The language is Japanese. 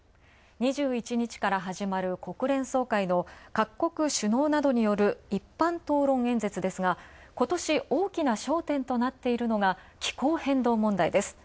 ２１日から始まる国連総会の各国首脳などによる一般討論演説ですが今年大きな焦点となっているのが気候変動問題です。